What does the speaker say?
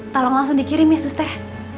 tolong langsung dikirimi suster